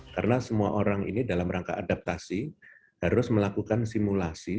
karena semua orang ini dalam rangka adaptasi harus melakukan simulasi